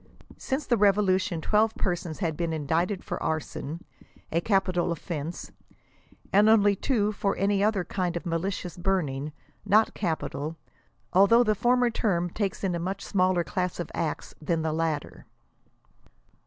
Since the revolution twelve persons had been indicted for arson, a capital offense, and only two for any other kind of malicious burning, not capital ; although the former term takes in a much smaller class of acts than the latter.